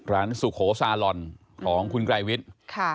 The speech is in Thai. ร้านสุโขสาลอนของคุณกลายวิทย์